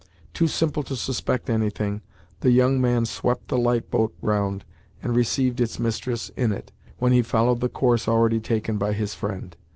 Too simple to suspect anything, the young man swept the light boat round, and received its mistress in it, when he followed the course already taken by his friend.